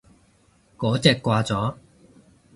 嗰隻掛咗